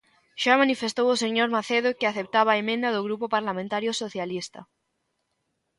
Xa manifestou o señor Macedo que aceptaba a emenda do Grupo Parlamentario Socialista.